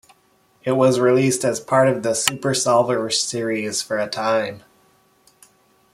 It was released as part of the Super Solvers series for a time.